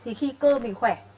thì khi cơ mình khỏe